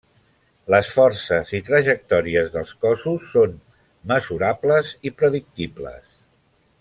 Les forces i trajectòries dels cossos són mesurables i predictibles.